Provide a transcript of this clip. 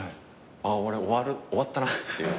あっ俺終わったなっていう。